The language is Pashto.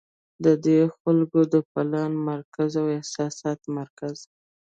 د دې خلکو د پلان مرکز او احساساتي مرکز